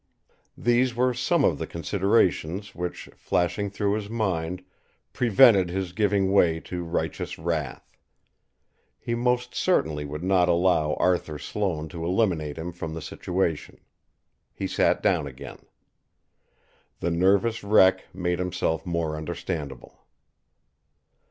These were some of the considerations which, flashing through his mind, prevented his giving way to righteous wrath. He most certainly would not allow Arthur Sloane to eliminate him from the situation. He sat down again. The nervous wreck made himself more understandable.